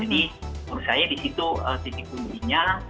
jadi menurut saya disitu tipikalnya